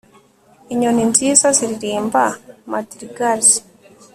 inyoni nziza ziririmba madrigals